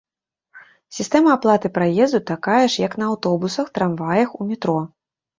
Сістэма аплаты праезду такая ж, як на аўтобусах, трамваях, у метро.